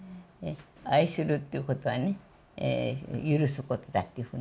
愛するということはね、許すことだっていうふうに。